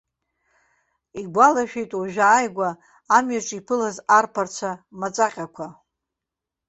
Игәалашәеит уажәы ааигәа амҩаҿ иԥылаз арԥарцәа маҵәаҟьақәа.